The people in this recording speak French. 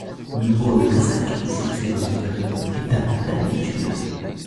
Le bourg de Cressac, situé dans une vallée, est à d'altitude.